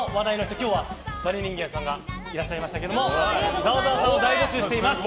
今日はバネ人間さんがいらっしゃいましたけどざわざわさんを大募集しています。